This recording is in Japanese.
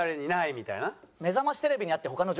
みたいな。